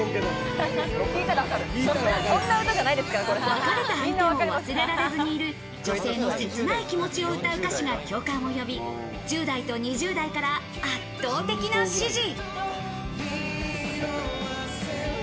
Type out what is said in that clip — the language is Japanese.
別れた相手を忘れられずにいる女性の切ない気持ちを歌う歌詞が共感を呼び、１０代と２０代から圧倒的な支持。